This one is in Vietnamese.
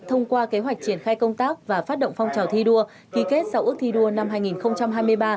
thông qua kế hoạch triển khai công tác và phát động phong trào thi đua ký kết sau ước thi đua năm hai nghìn hai mươi ba